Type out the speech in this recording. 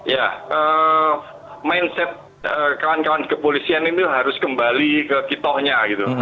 ya mindset kawan kawan kepolisian ini harus kembali ke kitohnya gitu